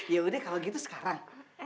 ya udah kalau gitu sekarang